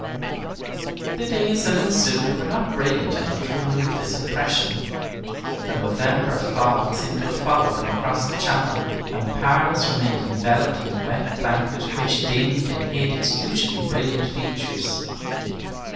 The days that ensued were not brilliant enough to remove this impression. The November fogs seemed to have followed them across the Channel, and Paris remained enveloped in a wet blanket which dimmed and hid its usually brilliant features.